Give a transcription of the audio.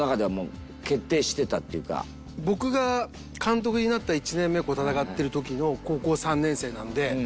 僕が監督になった１年目戦ってる時の高校３年生なので。